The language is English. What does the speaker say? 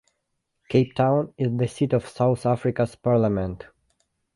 Cape Town is the seat of South Africa's parliament.